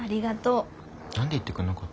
何で言ってくれなかったの？